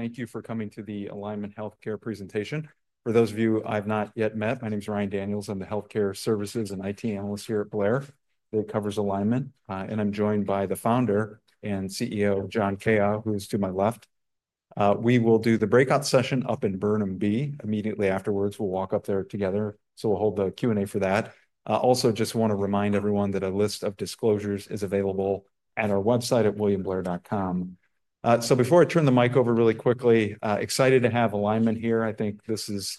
Thank you for coming to the Alignment Healthcare presentation. For those of you I've not yet met, my name is Ryan Daniels. I'm the Healthcare Services and IT Analyst here at Blair. It covers Alignment, and I'm joined by the founder and CEO, John Kao, who is to my left. We will do the breakout session up in Burnham Bee. Immediately afterwards, we'll walk up there together, so we'll hold the Q&A for that. Also, just want to remind everyone that a list of disclosures is available at our website at williamblair.com. Before I turn the mic over really quickly, excited to have Alignment here. I think this is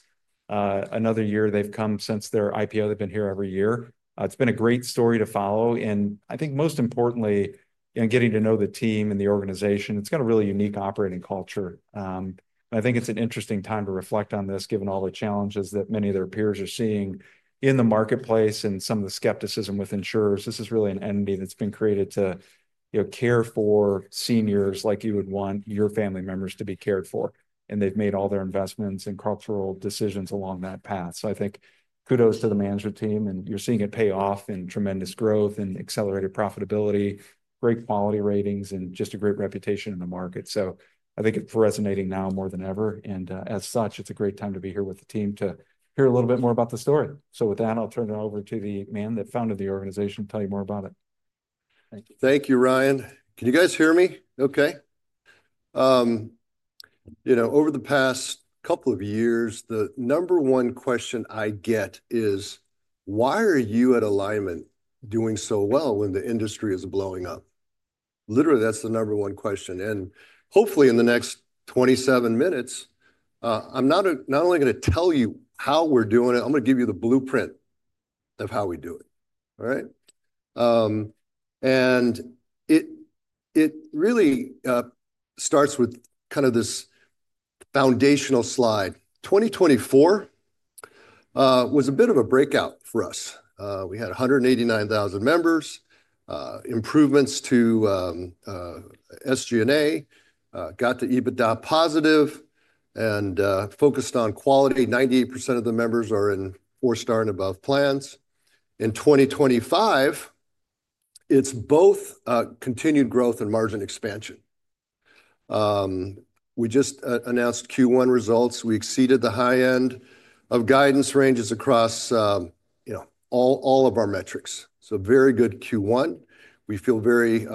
another year they've come since their IPO. They've been here every year. It's been a great story to follow, and I think most importantly, in getting to know the team and the organization, it's got a really unique operating culture. I think it's an interesting time to reflect on this, given all the challenges that many of their peers are seeing in the marketplace and some of the skepticism with insurers. This is really an entity that's been created to care for seniors like you would want your family members to be cared for, and they've made all their investments and corporate decisions along that path. I think kudos to the management team, and you're seeing it pay off in tremendous growth and accelerated profitability, great quality ratings, and just a great reputation in the market. I think it's resonating now more than ever, and as such, it's a great time to be here with the team to hear a little bit more about the story. With that, I'll turn it over to the man that founded the organization to tell you more about it. Thank you, Ryan. Can you guys hear me? Okay. You know, over the past couple of years, the number one question I get is, why are you at Alignment doing so well when the industry is blowing up? Literally, that's the number one question. Hopefully in the next 27 minutes, I'm not only going to tell you how we're doing it, I'm going to give you the blueprint of how we do it. All right. It really starts with kind of this foundational slide. 2024 was a bit of a breakout for us. We had 189,000 members, improvements to SG&A, got to EBITDA+, and focused on quality. 98% of the members are in four-star and above plans. In 2025, it's both continued growth and margin expansion. We just announced Q1 results. We exceeded the high end of guidance ranges across all of our metrics. Very good Q1. We feel very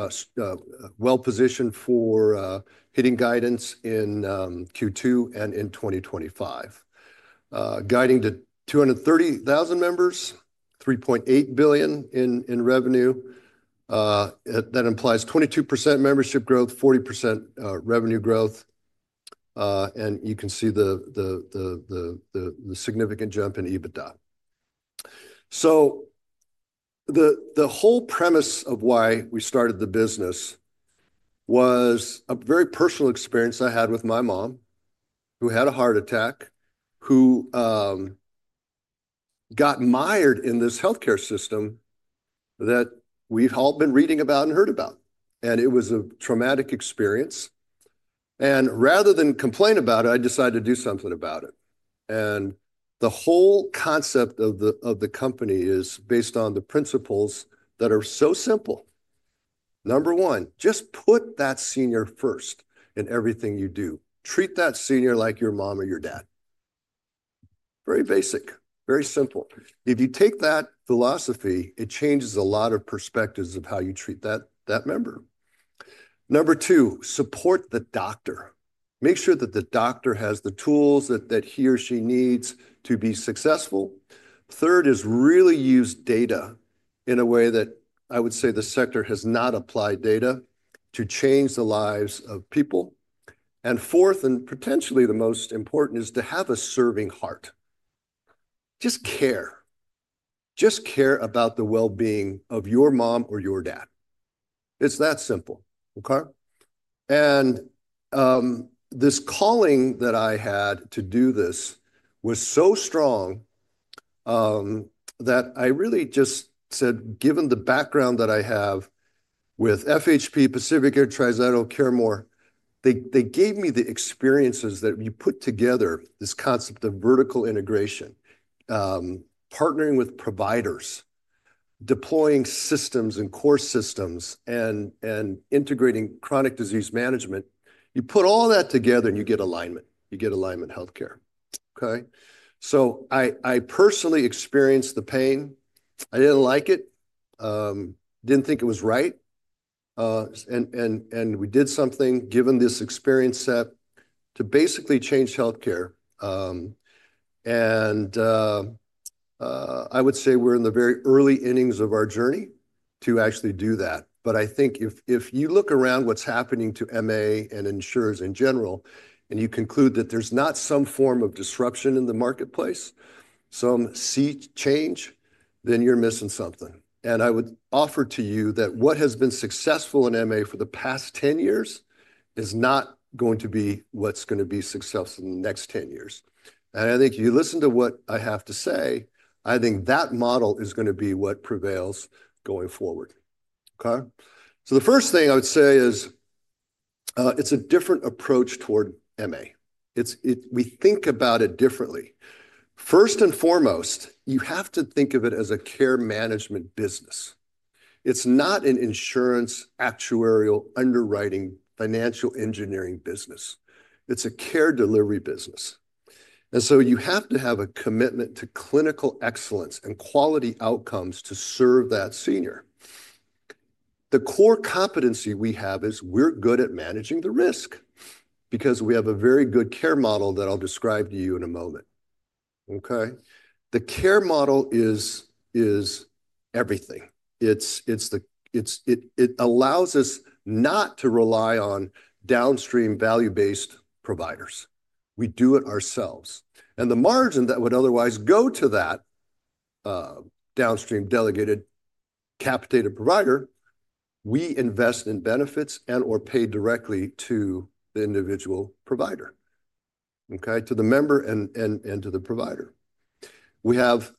well positioned for hitting guidance in Q2 and in 2025. Guiding to 230,000 members, $3.8 billion in revenue. That implies 22% membership growth, 40% revenue growth. You can see the significant jump in EBITDA. The whole premise of why we started the business was a very personal experience I had with my mom, who had a heart attack, who got mired in this healthcare system that we've all been reading about and heard about. It was a traumatic experience. Rather than complain about it, I decided to do something about it. The whole concept of the company is based on the principles that are so simple. Number one, just put that senior first in everything you do. Treat that senior like your mom or your dad. Very basic, very simple. If you take that philosophy, it changes a lot of perspectives of how you treat that member. Number two, support the doctor. Make sure that the doctor has the tools that he or she needs to be successful. Third is really use data in a way that I would say the sector has not applied data to change the lives of people. Fourth, and potentially the most important, is to have a serving heart. Just care. Just care about the well-being of your mom or your dad. It's that simple. Okay? This calling that I had to do this was so strong that I really just said, given the background that I have with FHP, PacifiCare, CareMore, they gave me the experiences that you put together this concept of vertical integration, partnering with providers, deploying systems and core systems, and integrating chronic disease management. You put all that together and you get Alignment. You get Alignment Healthcare. Okay? So I personally experienced the pain. I did not like it. Did not think it was right. And we did something, given this experience, to basically change healthcare. I would say we are in the very early innings of our journey to actually do that. I think if you look around what is happening to MA and insurers in general, and you conclude that there is not some form of disruption in the marketplace, some sea change, then you are missing something. I would offer to you that what has been successful in MA for the past 10 years is not going to be what is going to be successful in the next 10 years. I think you listen to what I have to say, I think that model is going to be what prevails going forward. Okay? The first thing I would say is it's a different approach toward MA. We think about it differently. First and foremost, you have to think of it as a care management business. It's not an insurance actuarial underwriting financial engineering business. It's a care delivery business. You have to have a commitment to clinical excellence and quality outcomes to serve that senior. The core competency we have is we're good at managing the risk because we have a very good care model that I'll describe to you in a moment. Okay? The care model is everything. It allows us not to rely on downstream value-based providers. We do it ourselves. The margin that would otherwise go to that downstream delegated capitated provider, we invest in benefits and/or pay directly to the individual provider. Okay? To the member and to the provider. We have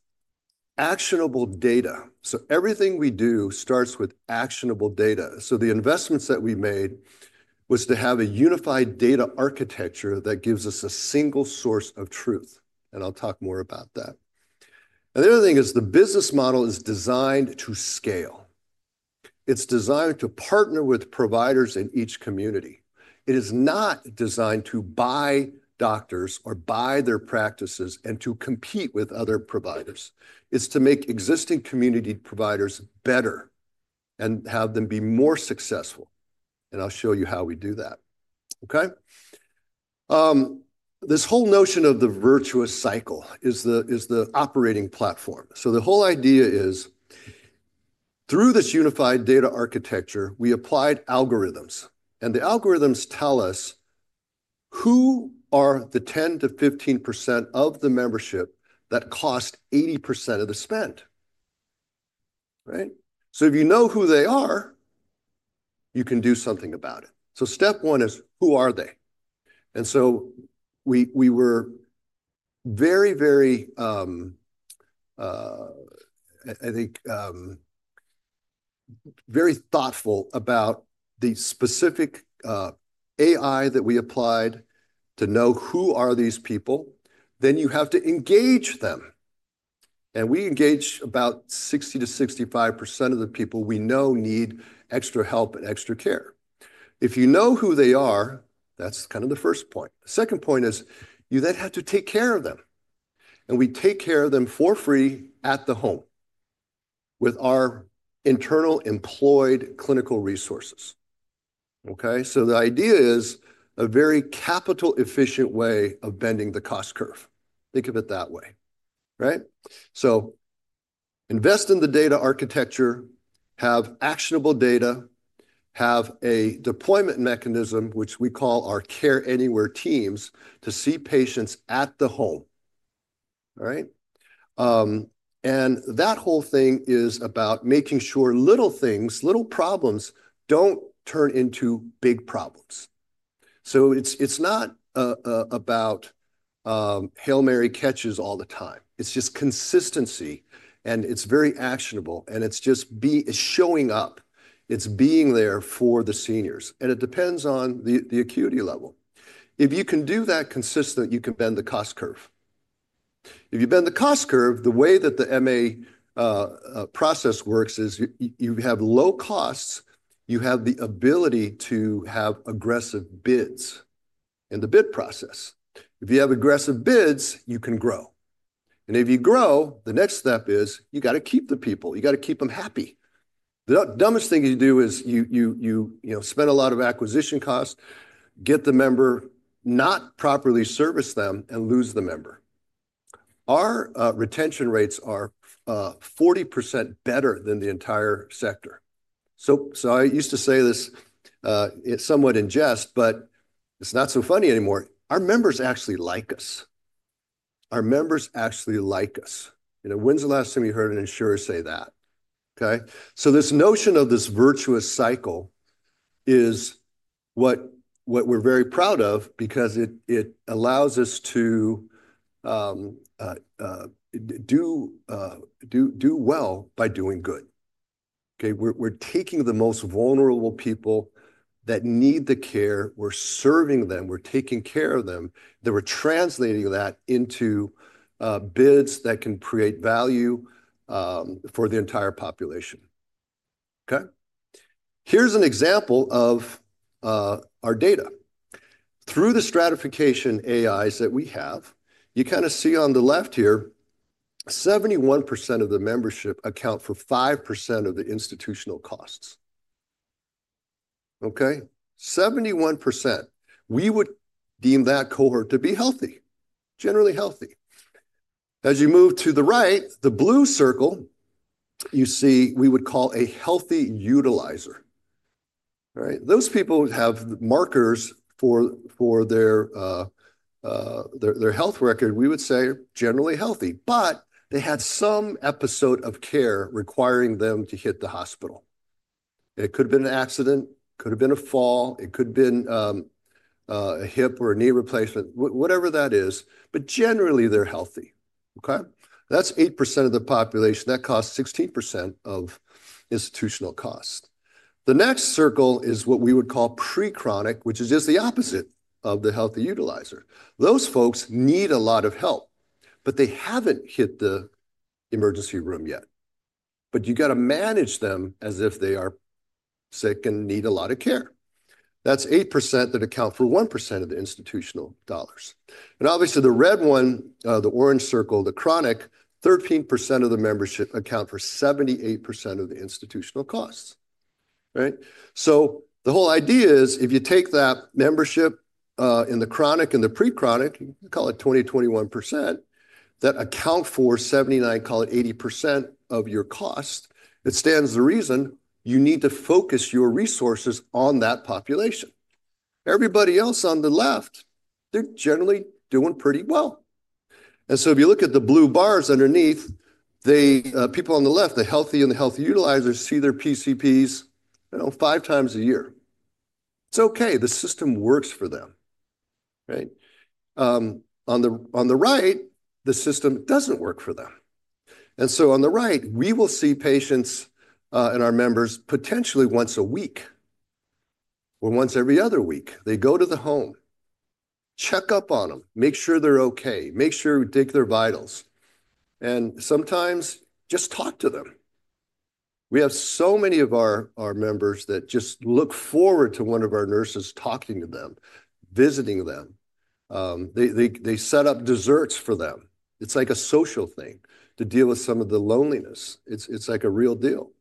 actionable data. Everything we do starts with actionable data. The investments that we made was to have a unified data architecture that gives us a single source of truth. I'll talk more about that. The other thing is the business model is designed to scale. It's designed to partner with providers in each community. It is not designed to buy doctors or buy their practices and to compete with other providers. It's to make existing community providers better and have them be more successful. I'll show you how we do that. Okay? This whole notion of the virtuous cycle is the operating platform. The whole idea is through this unified data architecture, we applied algorithms. The algorithms tell us who are the 10%-15% of the membership that cost 80% of the spend. Right? If you know who they are, you can do something about it. Step one is who are they? We were very, very, I think, very thoughtful about the specific AI that we applied to know who are these people. Then you have to engage them. We engage about 60%-65% of the people we know need extra help and extra care. If you know who they are, that's kind of the first point. The second point is you then have to take care of them. We take care of them for free at the home with our internal employed clinical resources. The idea is a very capital-efficient way of bending the cost curve. Think of it that way. Right? Invest in the data architecture, have actionable data, have a deployment mechanism, which we call our care anywhere teams to see patients at the home. All right? That whole thing is about making sure little things, little problems do not turn into big problems. It is not about Hail Mary catches all the time. It is just consistency, and it is very actionable, and it is just showing up. It is being there for the seniors. It depends on the acuity level. If you can do that consistently, you can bend the cost curve. If you bend the cost curve, the way that the MA process works is you have low costs, you have the ability to have aggressive bids in the bid process. If you have aggressive bids, you can grow. If you grow, the next step is you have to keep the people. You have to keep them happy. The dumbest thing you do is you spend a lot of acquisition costs, get the member, not properly service them, and lose the member. Our retention rates are 40% better than the entire sector. I used to say this somewhat in jest, but it's not so funny anymore. Our members actually like us. Our members actually like us. You know, when's the last time you heard an insurer say that? This notion of this virtuous cycle is what we're very proud of because it allows us to do well by doing good. We're taking the most vulnerable people that need the care. We're serving them. We're taking care of them. We're translating that into bids that can create value for the entire population. Here's an example of our data. Through the stratification AIs that we have, you kind of see on the left here, 71% of the membership account for 5% of the institutional costs. Okay? 71%. We would deem that cohort to be healthy, generally healthy. As you move to the right, the blue circle you see, we would call a healthy utilizer. All right? Those people have markers for their health record. We would say generally healthy, but they had some episode of care requiring them to hit the hospital. It could have been an accident, could have been a fall, it could have been a hip or a knee replacement, whatever that is. Generally, they are healthy. Okay? That is 8% of the population. That costs 16% of institutional costs. The next circle is what we would call pre-chronic, which is just the opposite of the healthy utilizer. Those folks need a lot of help, but they have not hit the emergency room yet. You have to manage them as if they are sick and need a lot of care. That is 8% that account for 1% of the institutional dollars. Obviously, the red one, the orange circle, the chronic, 13% of the membership account for 78% of the institutional costs. The whole idea is if you take that membership in the chronic and the pre-chronic, call it 20%-21%, that account for 79, call it 80% of your cost, it stands to reason you need to focus your resources on that population. Everybody else on the left, they are generally doing pretty well. If you look at the blue bars underneath, the people on the left, the healthy and the healthy utilizers see their PCPs 5x a year. It is okay. The system works for them. Right? On the right, the system does not work for them. On the right, we will see patients and our members potentially once a week or once every other week. They go to the home, check up on them, make sure they are okay, make sure we take their vitals. Sometimes just talk to them. We have so many of our members that just look forward to one of our nurses talking to them, visiting them. They set up desserts for them. It is like a social thing to deal with some of the loneliness. It is like a real deal.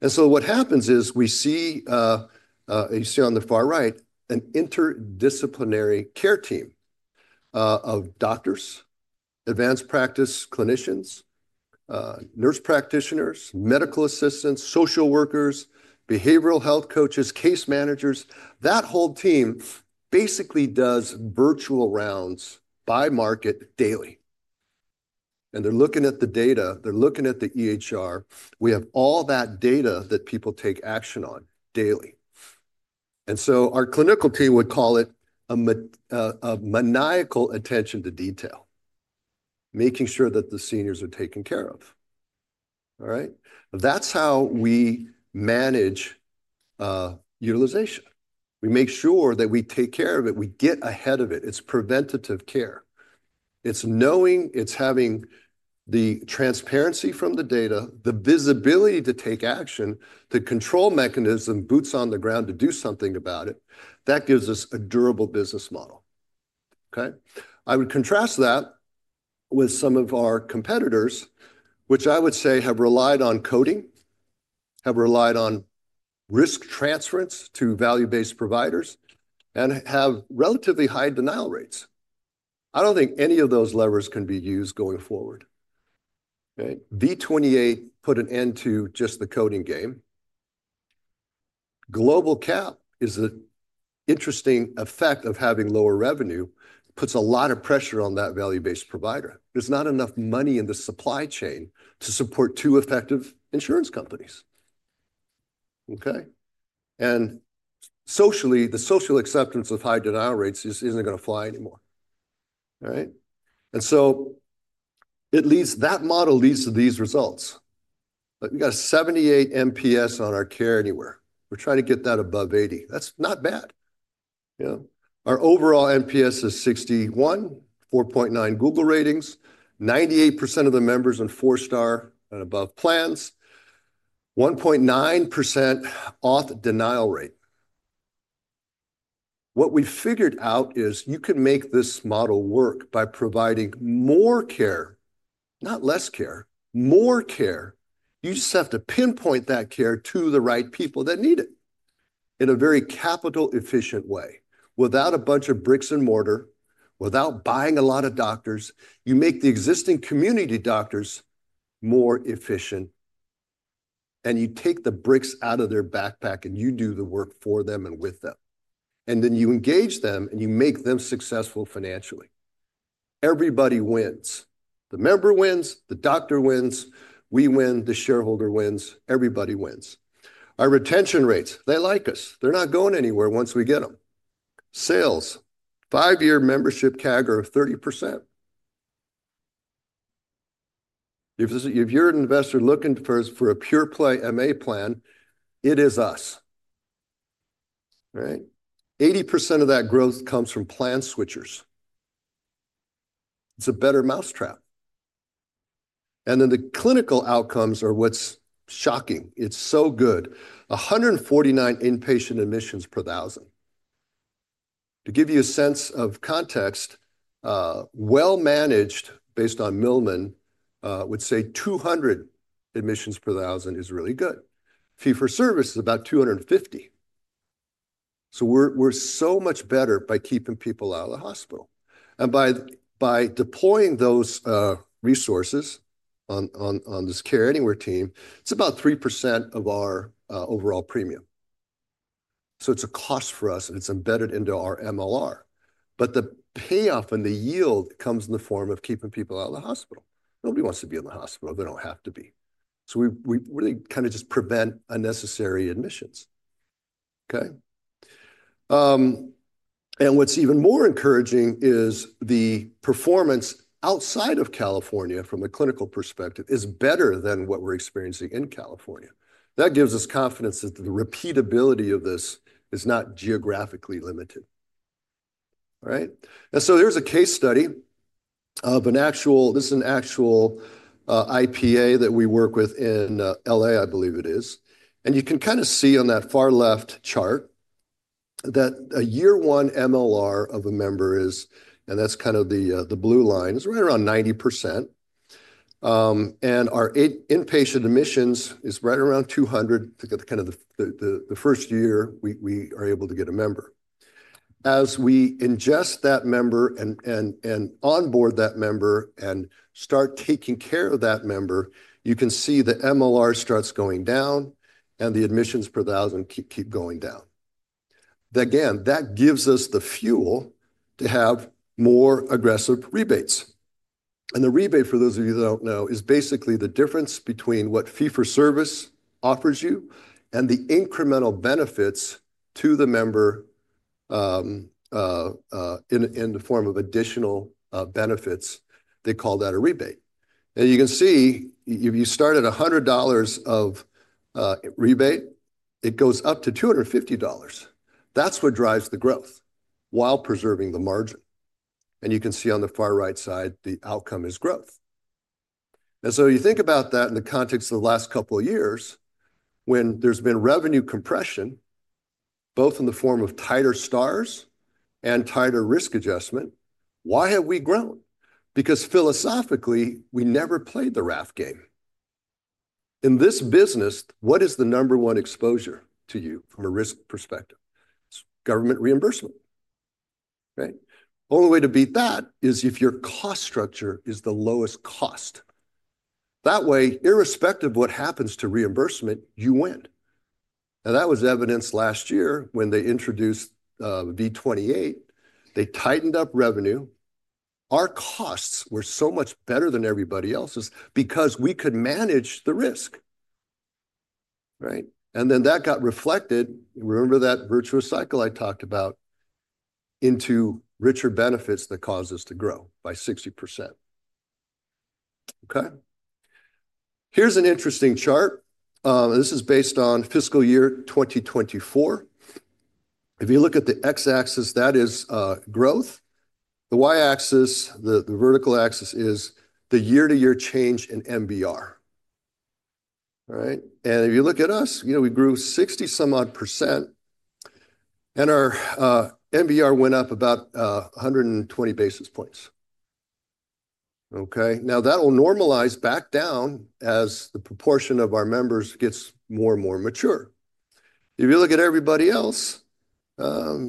What happens is we see, you see on the far right, an interdisciplinary care team of doctors, advanced practice clinicians, nurse practitioners, medical assistants, social workers, behavioral health coaches, case managers. That whole team basically does virtual rounds by market daily. They're looking at the data. They're looking at the EHR. We have all that data that people take action on daily. Our clinical team would call it a maniacal attention to detail, making sure that the seniors are taken care of. All right? That's how we manage utilization. We make sure that we take care of it. We get ahead of it. It's preventative care. It's knowing, it's having the transparency from the data, the visibility to take action, the control mechanism, boots on the ground to do something about it. That gives us a durable business model. Okay? I would contrast that with some of our competitors, which I would say have relied on coding, have relied on risk transference to value-based providers, and have relatively high denial rates. I don't think any of those levers can be used going forward. Okay? V28 put an end to just the coding game. Global cap is an interesting effect of having lower revenue, puts a lot of pressure on that value-based provider. There's not enough money in the supply chain to support two effective insurance companies. Okay? Socially, the social acceptance of high denial rates isn't going to fly anymore. All right? It leads, that model leads to these results. We got a 78 MPS on our care anywhere. We're trying to get that above 80. That's not bad. Our overall MPS is 61, 4.9 Google ratings, 98% of the members on four-star and above plans, 1.9% auth denial rate. What we figured out is you can make this model work by providing more care, not less care, more care. You just have to pinpoint that care to the right people that need it in a very capital-efficient way. Without a bunch of bricks and mortar, without buying a lot of doctors, you make the existing community doctors more efficient, and you take the bricks out of their backpack and you do the work for them and with them. You engage them and you make them successful financially. Everybody wins. The member wins, the doctor wins, we win, the shareholder wins, everybody wins. Our retention rates, they like us. They're not going anywhere once we get them. Sales, five-year membership CAGR of 30%. If you're an investor looking for a pure play MA plan, it is us. All right? 80% of that growth comes from plan switchers. It's a better mousetrap. The clinical outcomes are what's shocking. It's so good. 149 inpatient admissions per thousand. To give you a sense of context, well-managed based on Milliman would say 200 admissions per thousand is really good. Fee for service is about $250. So we're so much better by keeping people out of the hospital. And by deploying those resources on this care anywhere team, it's about 3% of our overall premium. So it's a cost for us and it's embedded into our MLR. But the payoff and the yield comes in the form of keeping people out of the hospital. Nobody wants to be in the hospital. They don't have to be. So we really kind of just prevent unnecessary admissions. Okay? And what's even more encouraging is the performance outside of California from a clinical perspective is better than what we're experiencing in California. That gives us confidence that the repeatability of this is not geographically limited. All right? And so there's a case study of an actual, this is an actual IPA that we work with in Los Angeles, I believe it is. You can kind of see on that far left chart that a year one MLR of a member is, and that is kind of the blue line, is right around 90%. Our inpatient admissions is right around 200 to get kind of the first year we are able to get a member. As we ingest that member and onboard that member and start taking care of that member, you can see the MLR starts going down and the admissions per thousand keep going down. Again, that gives us the fuel to have more aggressive rebates. The rebate, for those of you that do not know, is basically the difference between what fee for service offers you and the incremental benefits to the member in the form of additional benefits. They call that a rebate. You can see if you start at $100 of rebate, it goes up to $250. That is what drives the growth while preserving the margin. You can see on the far right side, the outcome is growth. You think about that in the context of the last couple of years when there has been revenue compression, both in the form of tighter stars and tighter risk adjustment, why have we grown? Because philosophically, we never played the raff game. In this business, what is the number one exposure to you from a risk perspective? It is government reimbursement. Right? The only way to beat that is if your cost structure is the lowest cost. That way, irrespective of what happens to reimbursement, you win. That was evidenced last year when they introduced V28. They tightened up revenue. Our costs were so much better than everybody else's because we could manage the risk. Right? And then that got reflected, remember that virtuous cycle I talked about, into richer benefits that caused us to grow by 60%. Okay? Here's an interesting chart. This is based on fiscal year 2024. If you look at the X-axis, that is growth. The Y-axis, the vertical axis is the year-to-year change in MBR. All right? And if you look at us, you know we grew 60 some odd percent, and our MBR went up about 120 basis points. Okay? Now that will normalize back down as the proportion of our members gets more and more mature. If you look at everybody else, you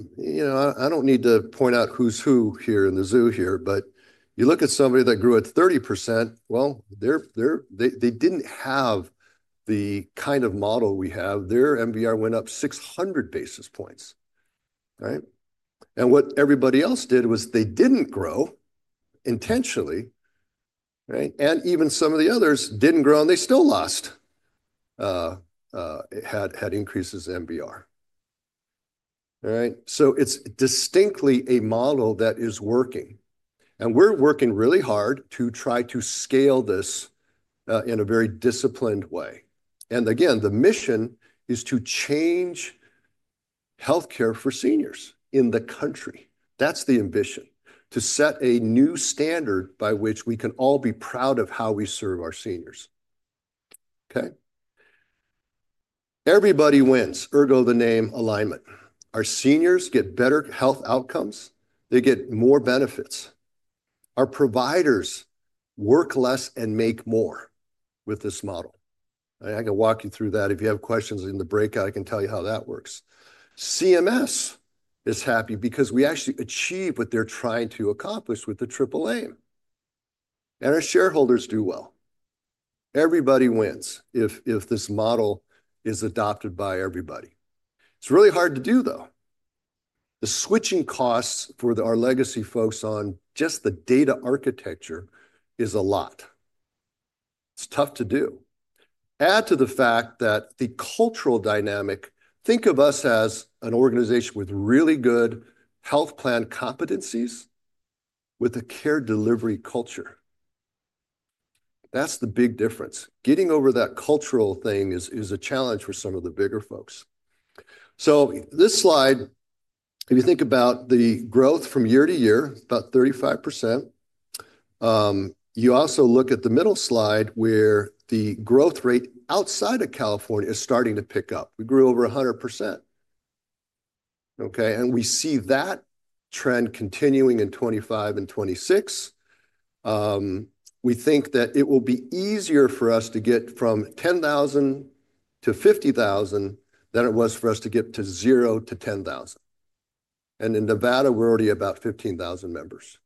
know I don't need to point out who's who here in the zoo here, but you look at somebody that grew at 30%, they didn't have the kind of model we have. Their MBR went up 600 basis points. All right? What everybody else did was they didn't grow intentionally. Right? Even some of the others didn't grow and they still lost, had increases in MBR. All right? It is distinctly a model that is working. We're working really hard to try to scale this in a very disciplined way. Again, the mission is to change healthcare for seniors in the country. That's the ambition, to set a new standard by which we can all be proud of how we serve our seniors. Okay? Everybody wins, put all the name alignment. Our seniors get better health outcomes. They get more benefits. Our providers work less and make more with this model. I can walk you through that. If you have questions in the breakout, I can tell you how that works. CMS is happy because we actually achieve what they're trying to accomplish with the Triple Aim. Our shareholders do well. Everybody wins if this model is adopted by everybody. It's really hard to do, though. The switching costs for our legacy folks on just the data architecture is a lot. It's tough to do. Add to the fact that the cultural dynamic, think of us as an organization with really good health plan competencies with a care delivery culture. That's the big difference. Getting over that cultural thing is a challenge for some of the bigger folks. This slide, if you think about the growth from year-to-year, about 35%. You also look at the middle slide where the growth rate outside of California is starting to pick up. We grew over 100%. Okay? We see that trend continuing in 2025 and 2026. We think that it will be easier for us to get from 10,000-50,000 than it was for us to get from zero-10,000. In Nevada, we're already about 15,000 members.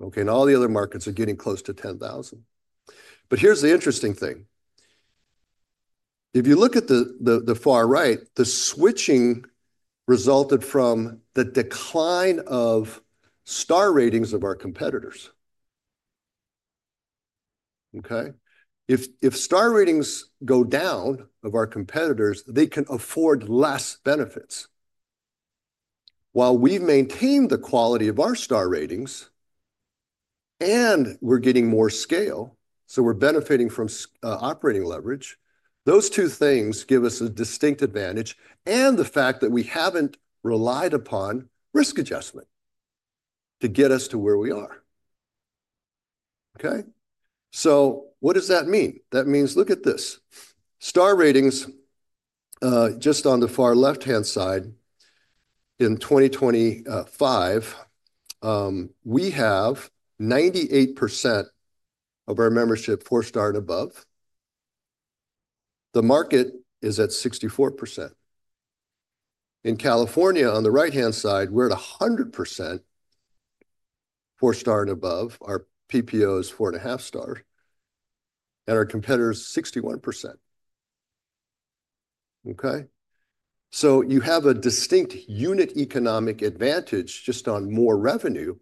Okay? All the other markets are getting close to 10,000. Here's the interesting thing. If you look at the far right, the switching resulted from the decline of star ratings of our competitors. Okay? If star ratings go down of our competitors, they can afford less benefits. While we've maintained the quality of our star ratings and we're getting more scale, so we're benefiting from operating leverage, those two things give us a distinct advantage and the fact that we haven't relied upon risk adjustment to get us to where we are. Okay? What does that mean? That means look at this. Star ratings, just on the far left-hand side, in 2025, we have 98% of our membership four-star and above. The market is at 64%. In California, on the right-hand side, we're at 100% four-star and above. Our PPO is four and a half stars. Our competitors, 61%. Okay? You have a distinct unit economic advantage just on more revenue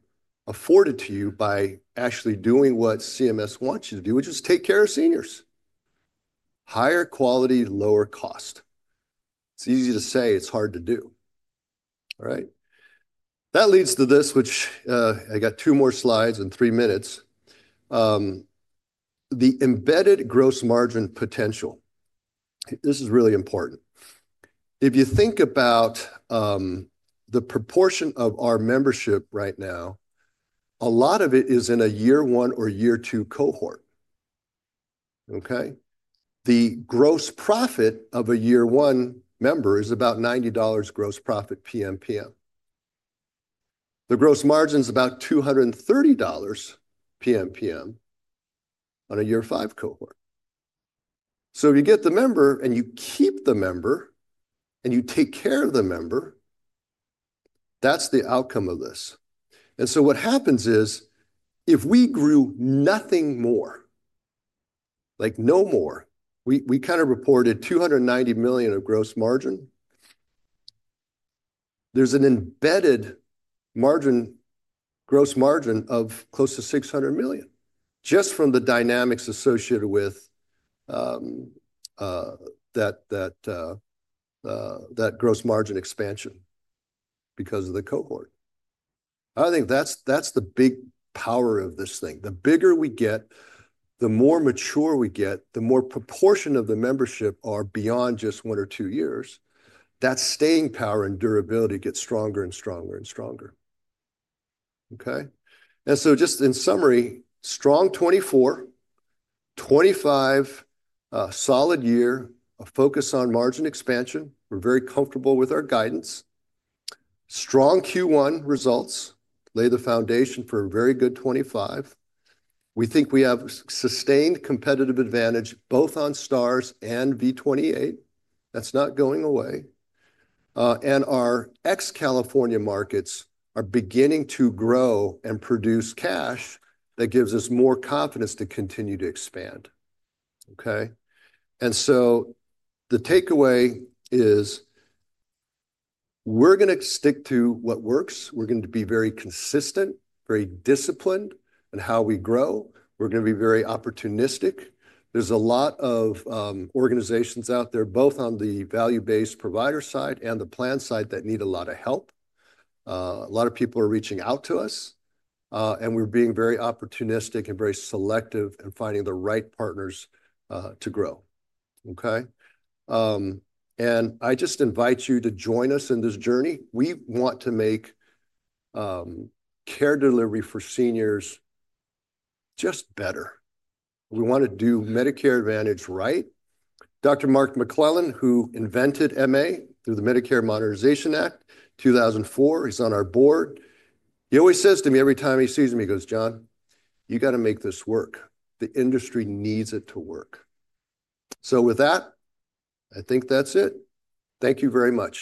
afforded to you by actually doing what CMS wants you to do, which is take care of seniors. Higher quality, lower cost. It's easy to say, it's hard to do. All right? That leads to this, which I got two more slides in three minutes. The embedded gross margin potential, this is really important. If you think about the proportion of our membership right now, a lot of it is in a year one or year two cohort. Okay? The gross profit of a year one member is about $90 gross profit PMPM. The gross margin is about $230 PMPM on a year five cohort. If you get the member and you keep the member and you take care of the member, that is the outcome of this. What happens is if we grew nothing more, like no more, we kind of reported $290 million of gross margin, there is an embedded gross margin of close to $600 million just from the dynamics associated with that gross margin expansion because of the cohort. I think that's the big power of this thing. The bigger we get, the more mature we get, the more proportion of the membership are beyond just one or two years, that staying power and durability gets stronger and stronger and stronger. Okay? Just in summary, strong 2024, 2025, solid year, a focus on margin expansion. We're very comfortable with our guidance. Strong Q1 results lay the foundation for a very good 2025. We think we have sustained competitive advantage both on stars and V28. That's not going away. Our ex-California markets are beginning to grow and produce cash that gives us more confidence to continue to expand. Okay? The takeaway is we're going to stick to what works. We're going to be very consistent, very disciplined in how we grow. We're going to be very opportunistic. There's a lot of organizations out there, both on the value-based provider side and the plan side that need a lot of help. A lot of people are reaching out to us, and we're being very opportunistic and very selective in finding the right partners to grow. Okay? I just invite you to join us in this journey. We want to make care delivery for seniors just better. We want to do Medicare Advantage right. Dr. Mark McClellan, who invented MA through the Medicare Modernization Act, 2004, he's on our board. He always says to me every time he sees me, he goes, "John, you got to make this work. The industry needs it to work." With that, I think that's it. Thank you very much.